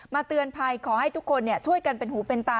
เตือนภัยขอให้ทุกคนช่วยกันเป็นหูเป็นตา